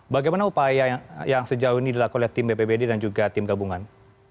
bagaimana upaya yang sejauh ini dilakukan oleh tim bpbd dan juga tim gabungan